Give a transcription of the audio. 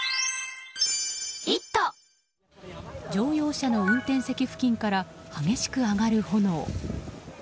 乗用車の運転席付近から激しく上がる炎。